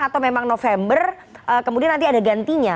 atau memang november kemudian nanti ada gantinya